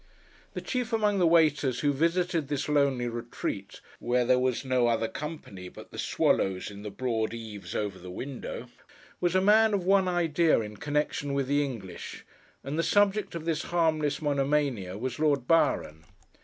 The chief among the waiters who visited this lonely retreat, where there was no other company but the swallows in the broad eaves over the window, was a man of one idea in connection with the English; and the subject of this harmless monomania, was Lord Byron.